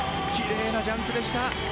きれいなジャンプでした。